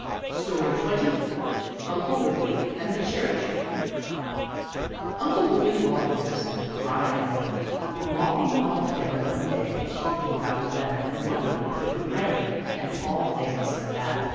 STORY XXIV UNCLE WIGGILY AND THE CHERRY TREE Uncle Wiggily Longears and the crying elephant were walking along together one day, talking about the weather, and wondering if it would rain, and all things like that.